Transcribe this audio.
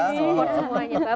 sali support semuanya